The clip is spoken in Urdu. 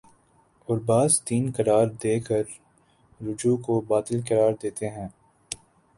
اور بعض تین قرار دے کررجوع کو باطل قرار دیتے ہیں